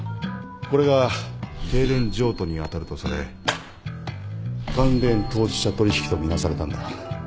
これが低廉譲渡に当たるとされ関連当事者取引と見なされたんだ。